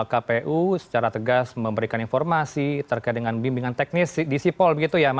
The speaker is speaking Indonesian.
kpu secara tegas memberikan informasi terkait dengan bimbingan teknis di sipol